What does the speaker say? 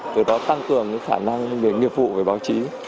từ đó tăng cường khả năng về nghiệp vụ về báo chí